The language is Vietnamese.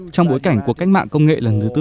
trong bối cảnh của cách mạng công nghệ